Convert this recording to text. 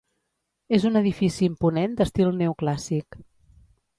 És un edifici imponent d'estil neoclàssic.